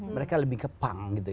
mereka lebih ke punk gitu ya